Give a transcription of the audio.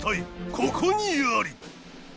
ここにあり！